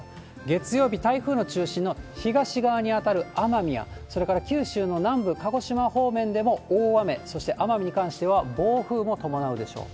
月曜日、台風の中心の東側にあたる奄美や、それから九州の南部、鹿児島方面でも大雨、そして奄美に関しては暴風も伴うでしょう。